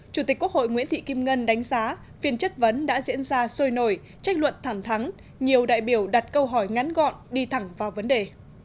chủ tịch quốc hội nguyễn thị kim ngân đánh giá phiên chất vấn đã diễn ra sôi nổi trách luận thẳng thắng nhiều đại biểu đặt câu hỏi ngắn gọn đi thẳng vào vấn đề